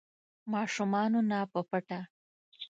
ماشومانو نه په پټه